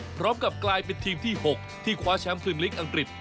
พร้อมกับกลายเป็นทีมที่๖ที่คว้าแชมป์พรีมลิกอังกฤษ